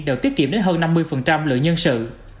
đều tiết kiệm đến hơn năm mươi lượng nhân sự